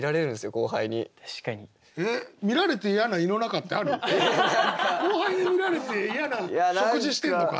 後輩に見られて嫌な食事してんのか。